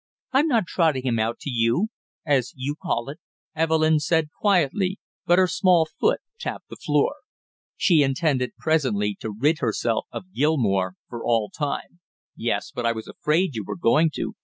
"I'm not trotting him out to you, as you call it," Evelyn said quietly, but her small foot tapped the floor. She intended presently to rid herself of Gilmore for all time. "Yes, but I was afraid you were going to."